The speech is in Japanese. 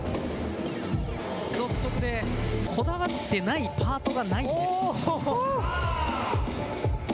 独特で、こだわってないパートがないです。